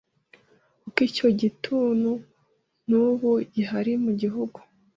kuko icyo gituntu n’ubu gihari mu gihugu.